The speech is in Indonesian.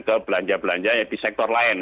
ke belanja belanja di sektor lain